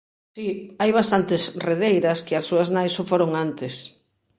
Si, hai bastantes redeiras que as súas nais o foron antes.